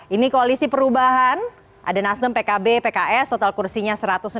ini koalisi perubahan ada nasdem pkb pks total kursinya satu ratus enam puluh